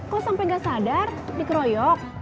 kok sampai gak sadar dikeroyok